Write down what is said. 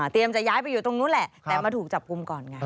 จะย้ายไปอยู่ตรงนู้นแหละแต่มาถูกจับกลุ่มก่อนไง